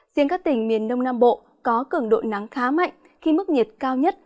riêng các tỉnh miền đông nam bộ có cường độ nắng khá mạnh khi mức nhiệt cao nhất